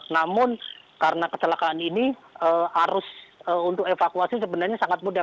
namun karena kecelakaan ini arus untuk evakuasi sebenarnya sangat mudah